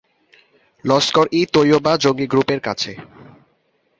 লস্কর-ই-তৈয়বা জঙ্গি গ্রুপের কাছে।